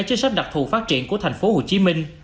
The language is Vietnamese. chức sách đặc thù phát triển của tp hcm